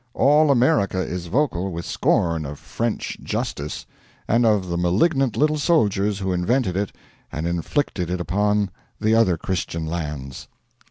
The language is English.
All America is vocal with scorn of 'French justice,' and of the malignant little soldiers who invented it and inflicted it upon the other Christian lands.